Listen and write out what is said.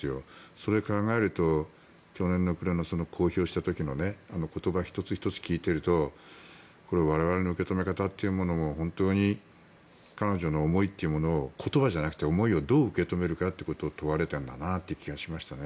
それを考えると去年の暮れの公表した時の言葉１つ１つを聞いていると我々の受け止め方というものも本当に彼女の思いというのを言葉じゃなくて思いをどう受け止めるかということを問われたんだなという気がしましたね。